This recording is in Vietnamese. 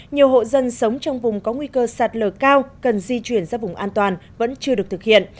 nhiều hộ dân sống trong vùng có nguy cơ sạt lở cao cần di chuyển ra vùng an toàn vẫn chưa được thực hiện